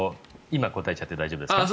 今、答えちゃって大丈夫ですか？